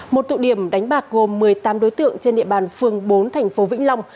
một tụ điểm đánh bạc gồm một mươi tám đối tượng trên địa bàn phường bốn thành phố vĩnh long